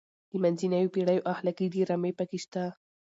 د منځنیو پیړیو اخلاقي ډرامې پکې شته.